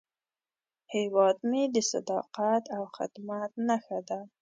هیواد مې د صداقت او خدمت نښه ده